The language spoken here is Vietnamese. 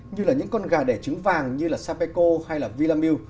như là những con gà đẻ trứng vàng như là sapeco hay là villamilk